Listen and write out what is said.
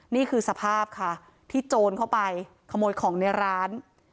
นี่คือสภาพค่ะที่โจรเข้าไปขโมยของในร้าน